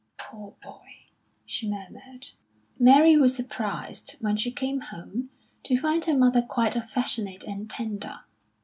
"Poor boy!" she murmured. Mary was surprised, when she came home, to find her mother quite affectionate and tender.